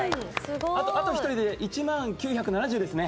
あと１人で１万９７０ですね。